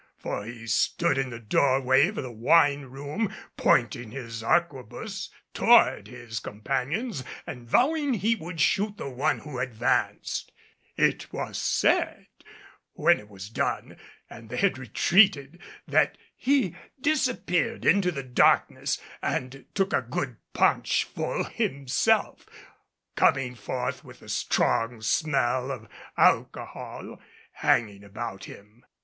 For he stood in the doorway of the wine room pointing his arquebuse toward his companions and vowing he would shoot the one who advanced. It was said, when it was done and they had retreated, that he disappeared into the darkness and took a good paunch full himself, coming forth with a strong smell of alcohol hanging about him.